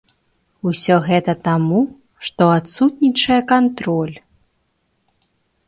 Усё гэта таму, што адсутнічае кантроль.